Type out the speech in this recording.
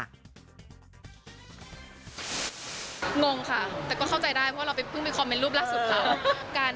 งงค่ะแต่ก็เข้าใจได้เพราะเราไปเพิ่งไปคอมเมนต์รูปล่าสุดเขา